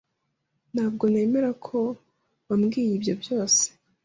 Ntabwo nemera ko wabwiye ibyo byose